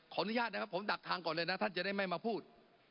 อนุญาตนะครับผมดักทางก่อนเลยนะท่านจะได้ไม่มาพูด